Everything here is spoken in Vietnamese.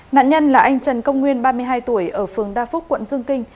nạn nhân là anh trần công nguyên ba mươi hai tuổi ở phường đa phúc quận dương kinh